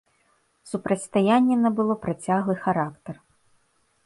Супрацьстаянне набыло працяглы характар.